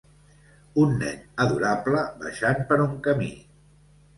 Un nen adorable baixant per un camí.